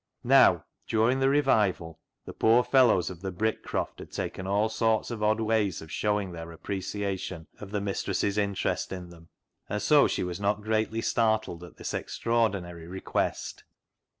Now, during the revival, the poor fellows of the Brick croft had taken all sorts of odd ways of showing their appreciation of the mistress's interest in them, and so she was not greatly startled at this extraordinary request.